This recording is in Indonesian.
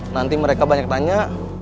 nanti mereka banyak tanya